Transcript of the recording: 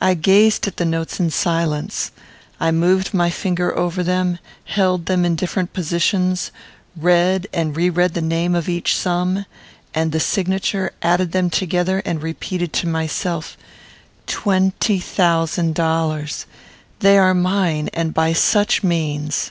I gazed at the notes in silence. I moved my finger over them; held them in different positions; read and reread the name of each sum, and the signature; added them together, and repeated to myself "Twenty thousand dollars! They are mine, and by such means!"